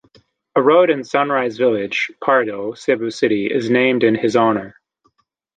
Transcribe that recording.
A road in Sunrise Village, Pardo, Cebu City is named in his honor.